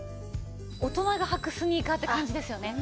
大人が履くスニーカーって感じですよね。